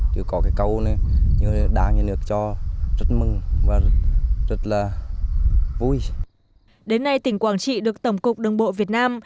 đến nay tỉnh quảng trị được tổng cục đường bộ việt nam